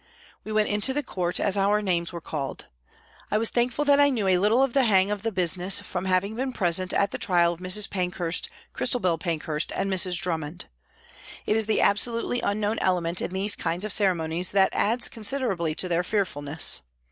We went into the court as our names were called. I was thankful that I knew a little of the hang of the business from having been present at the trial of Mrs. Pankhurst, Christabel Pankhurst and Mrs. Drummond. It is the absolutely unknown element in these kinds of ceremonies that adds considerably to their fearful ness.